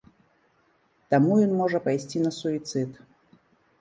Таму ён можа пайсці на суіцыд.